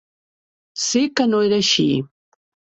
Sé que no era així.